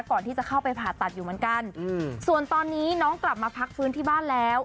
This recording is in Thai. ก่อนที่จะเข้าไปผ่าตัดอยู่เหมือนกันส่วนตอนนี้น้องกลับมาพักฟื้นที่บ้านแล้ว